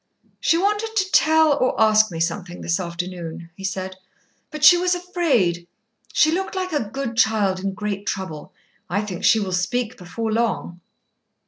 "She wanted to tell or ask me something this afternoon," he said, "but she was afraid. She looked like a good child in great trouble. I think she will speak before long."